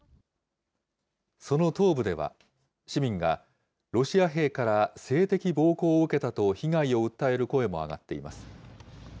その東部では、市民がロシア兵から性的暴行を受けたと被害を訴える声も上がっています。